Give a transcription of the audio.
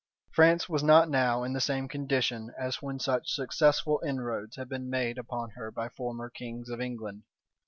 France was not now in the same condition as when such successful inroads had been made upon her by former kings of England.